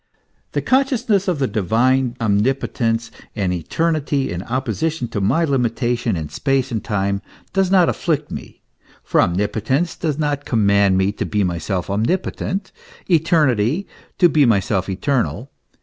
The consciousness of the divine omnipotence and eternity in oppo 46 THE ESSENCE OF CHRISTIANITY. * sition to my limitation in space and time does not afflict me : for omnipotence does not command me to be myself omnipo tent, eternity, to be myself eternal.